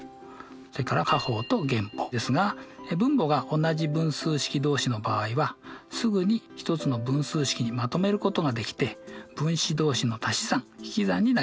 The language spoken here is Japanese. それから加法と減法ですが分母が同じ分数式同士の場合はすぐに１つの分数式にまとめることができて分子同士のたし算ひき算になりました。